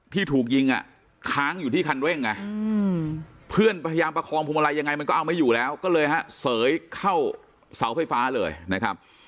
ที่ถูกยิงอ่ะค้างอยู่ที่คันเร่งไงเพื่อนพยายามประคองพวงมาลัยยังไงมันก็เอาไม่อยู่แล้วก็เลยฮะเสยเข้าเสาไฟฟ้าเลยนะครับ